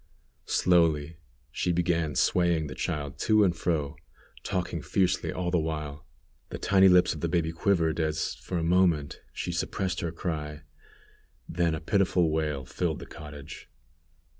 Slowly she began swaying the child to and fro, talking fiercely all the while. The tiny lips of the baby quivered, as, for a moment, she suppressed her cry, then a pitiful wail filled the cottage.